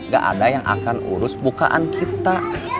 gak ada yang akan urus bukaan kita